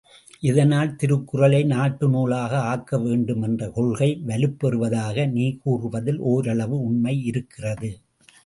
இதனால், திருக்குறளை நாட்டு நூலாக ஆக்கவேண்டும் என்ற கொள்கை வலுபெறுவதாக நீ கூறுவதில் ஓரளவு உண்மை இருக்கிறது.